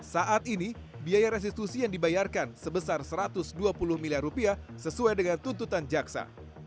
saat ini biaya restitusi yang dibayarkan sebesar satu ratus dua puluh miliar rupiah sesuai dengan tuntutan jaksa